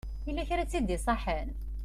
Yella kra i tt-id-iṣaḥen?